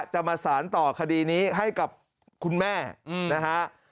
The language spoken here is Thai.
จะมาสารต่อคดีนี้ให้กับคุณแม่นะฮะ